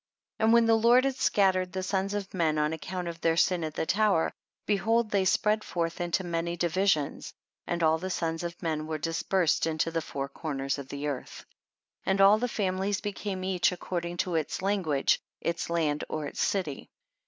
And when ihe Lord had scat tered the sons of men on account of their sin at the tower, behold they spread forth into many divisions, and all the sons of men were dispersed into the four corners of the earth. 3. And all the families became each according to its language, its land, or its city.